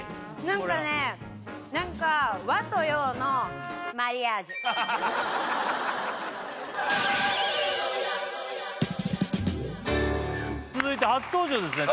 何かね何か続いて初登場ですね